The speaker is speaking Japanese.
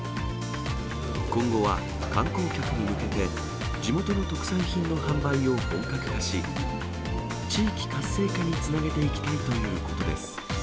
今後は観光客に向けて、地元の特産品の販売を本格化し、地域活性化につなげていきたいということです。